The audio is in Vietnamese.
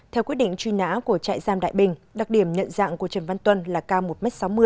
theo quyết định truy nã của trại giam đại bình đặc điểm nhận dạng của trần văn tuân là cao một m sáu mươi